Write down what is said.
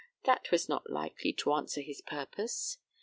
That was not likely to answer his purpose.